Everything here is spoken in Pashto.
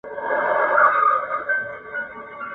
تر کاڼي کله د بیزو کار وو !.